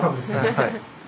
はい。